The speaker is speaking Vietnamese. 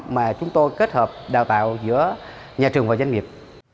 mà chúng tôi kết hợp đào tạo giữa nhà trường và doanh nghiệp